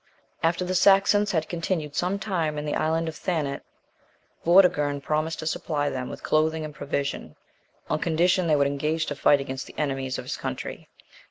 After the Saxons had continued some time in the island of Thanet, Vortigern promised to supply them with clothing and provision, on condition they would engage to fight against the enemies of his country.